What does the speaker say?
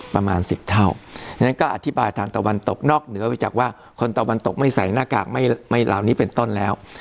ประมาณสิบเท่านั้นก็อธิบายทางตะวันตกนอกเหนือไปจากว่าคนตะวันตกไม่ใส่หน้ากากไม่เหล่านี้เป็นต้นแล้ว